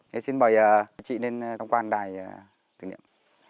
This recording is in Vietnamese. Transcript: nên xin mời chị lên thăm quan đài thử nghiệm